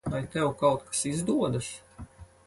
Vai tev kaut kas izdodas?